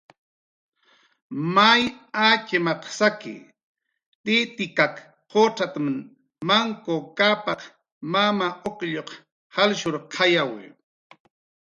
"May atxmaq saki, Titikak qucxat""mn Manku Kapak, Mama Uklluq salshurqayawi"